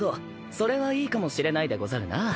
それはいいかもしれないでござるな。